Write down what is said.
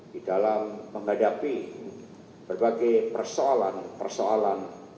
di dalam menghadapi berbagai persoalan persoalan